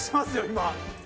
今！